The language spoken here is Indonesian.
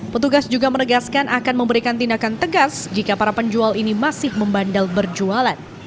petugas juga menegaskan akan memberikan tindakan tegas jika para penjual ini masih membandel berjualan